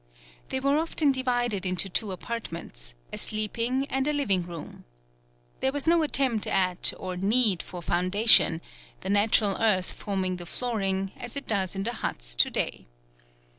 They were often divided into two apartments, a sleeping and a living room. There was no attempt at or need for foundation, the natural earth forming the flooring, as it does in the huts to day.